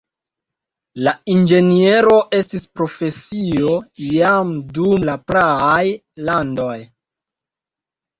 La inĝeniero estis profesio jam dum la praaj landoj.